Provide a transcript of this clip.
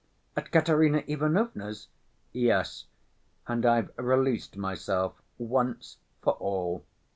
"At Katerina Ivanovna's?" "Yes, and I've released myself once for all.